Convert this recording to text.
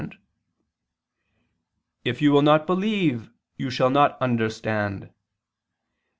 7:9: "If you will not believe, you shall not understand [Vulg.